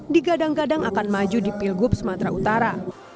digadang gadang akan maju di pilgub sumatera utara